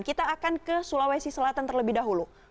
kita akan ke sulawesi selatan terlebih dahulu